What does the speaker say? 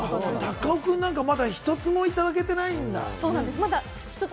タカオくんとか、まだ１つもいただけていないんだ。